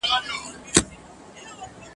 څوک سپین ږیري وه د ښار څوک یې ځوانان ول !.